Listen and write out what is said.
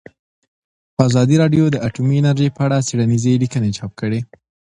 ازادي راډیو د اټومي انرژي په اړه څېړنیزې لیکنې چاپ کړي.